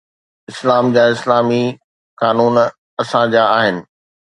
اسلام جا اسلامي قانون اسان جا آهن.